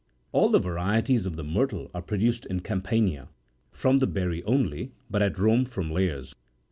All the varieties of the myrtle30 are produced in Campania from the berry only, but at Rome from layers.